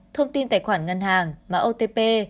thông tin tài khoản ngân hàng mã otp